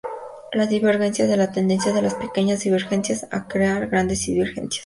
La divergencia es la tendencia de las pequeñas divergencias a crear grandes divergencias.